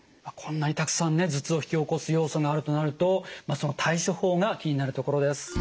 こんなにたくさんね頭痛を引き起こす要素があるとなるとその対処法が気になるところです。